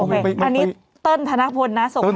อันนี้เติ้ลธนาปนนะส่งหาพี่